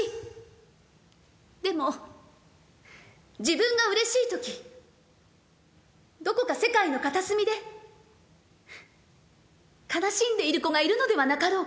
でも自分がうれしい時どこか世界の片隅で悲しんでいる子がいるのではなかろうか。